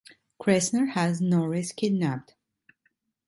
Cressner has Norris kidnapped.